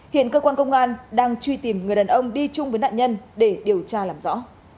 hiện cơ quan công an đang truy tìm người đàn ông đi chung với nạn nhân để điều tra làm rõ